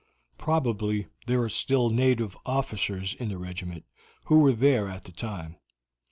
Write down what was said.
Probably there are still native officers in the regiment who were there at the time.